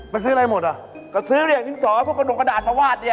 ซื้ออะไรหมดอ่ะก็ซื้อเรียกดินสอพวกกระดกกระดาษมาวาดเนี่ย